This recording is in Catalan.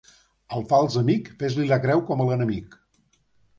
Al fals amic fes-li la creu com a l'enemic.